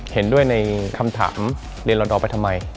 เห็นด้วยในคำถามเรียนลอดอไปทำไม